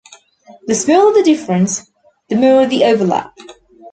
The smaller the difference, the more the overlap.